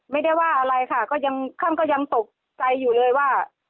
ไม่ได้ว่าอะไรค่ะก็ยังท่านก็ยังตกใจอยู่เลยว่า